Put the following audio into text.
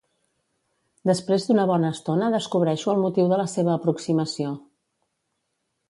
Després d'una bona estona descobreixo el motiu de la seva aproximació.